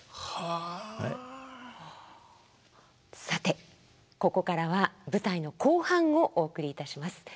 さてここからは舞台の後半をお送りいたします。